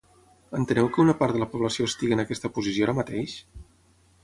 Enteneu que una part de la població estigui en aquesta posició ara mateix?